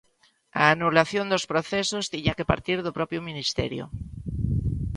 A anulación dos procesos tiña que partir do propio ministerio.